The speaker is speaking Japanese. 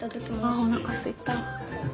あおなかすいた。